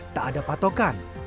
tak ada patokan